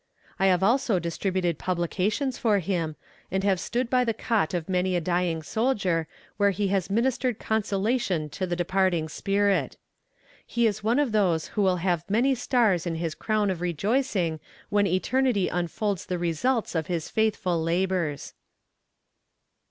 I have also distributed publications for him, and have stood by the cot of many a dying soldier where he has ministered consolation to the departing spirit. He is one of those who will have many stars in his crown of rejoicing when eternity unfolds the results of his faithful labors.